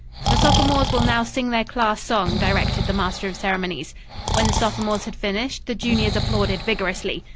"The sophomores will now sing their class song," directed the master of ceremonies. When the sophomores had finished, the juniors applauded vigorously.